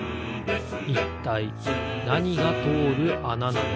いったいなにがとおるあななのか？